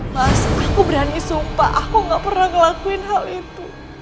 mas aku berani sumpah aku gak pernah ngelakuin hal itu